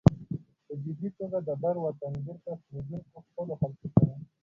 په جبري توګه د بر وطن بېرته ستنېدونکو خپلو خلکو سره.